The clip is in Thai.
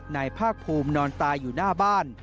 นายภาคภูมินอนตายอยู่หน้าบ้าน